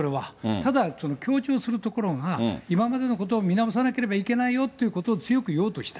ただ強調するところが、今までのことを見直さなければいけないよっていうことを強く言おうとした。